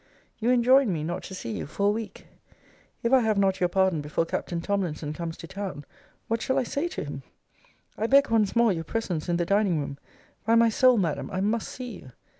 You enjoin me not to see you for a week. If I have not your pardon before Captain Tomlinson comes to town, what shall I say to him? I beg once more your presence in the dining room. By my soul, Madam, I must see you.